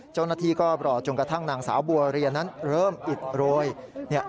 เจ้าหน้าที่ก็รอจนกระทั่งนางสาวบัวเรียนนั้นเริ่มอิดโรย